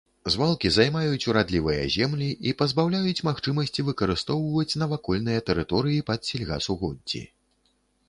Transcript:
Звалкі займаюць урадлівыя землі і пазбаўляюць магчымасці выкарыстоўваць навакольныя тэрыторыі пад сельгасугоддзі.